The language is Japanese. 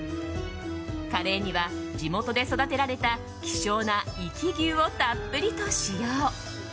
カレーには、地元で育てられた希少な壱岐牛をたっぷりと使用。